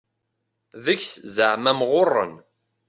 Deg-s zaɛma mɣuren.